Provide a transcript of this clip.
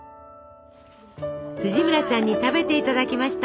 村さんに食べていただきました。